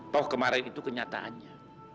bahwa kemarin itu kenyataannya